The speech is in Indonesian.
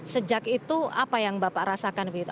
sejak itu apa yang bapak rasakan begitu